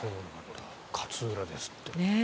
勝浦ですって。